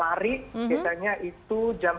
jadi selama ramadhan ini saya tetap berolahraga